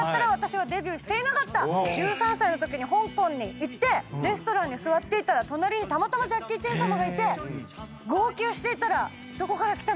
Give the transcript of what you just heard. １３歳のときに香港に行ってレストランに座っていたら隣にたまたまジャッキー・チェン様がいて号泣していたら「どこから来た？